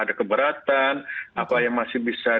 ada keberatan apa yang masih bisa